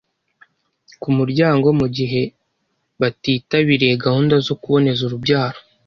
ku muryango mu gihe batitabiriye gahunda zo kuboneza urubyaro